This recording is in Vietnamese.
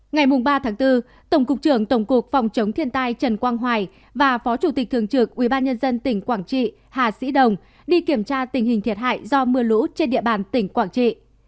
ngày ba bốn tổng cục trưởng tổng cục phòng chống thiên tai trần quang hoài và phó chủ tịch thường trực ubnd tỉnh quảng trị hà sĩ đồng đi kiểm tra tình hình thiệt hại do mưa lũ trên địa bàn tỉnh quảng trị